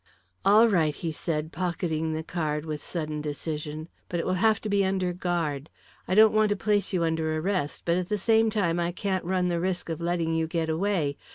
"All right," he said, pocketing the card with sudden decision. "But it will have to be under guard. I don't want to place you under arrest, but at the same time I can't run the risk of letting you get away.